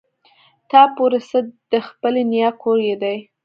تا پورې څه د خپلې نيا کور يې دی.